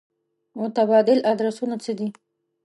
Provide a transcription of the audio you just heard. متبادل ادرسونه څه دي.